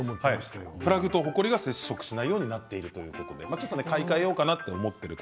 プラグとほこりが接触しないようになってるということで買い替えようと思ってる方